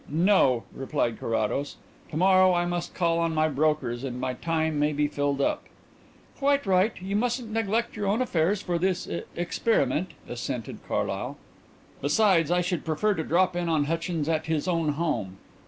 "No," replied Carrados. "To morrow I must call on my brokers and my time may be filled up." "Quite right; you mustn't neglect your own affairs for this experiment," assented Carlyle. "Besides, I should prefer to drop in on Hutchins at his own home.